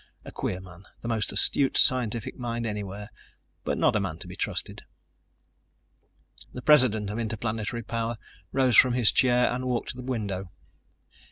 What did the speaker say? A queer man, the most astute scientific mind anywhere, but not a man to be trusted. The president of Interplanetary Power rose from his chair and walked to the window.